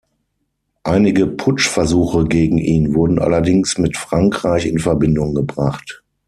Einige Putschversuche gegen ihn wurden allerdings mit Frankreich in Verbindung gebracht.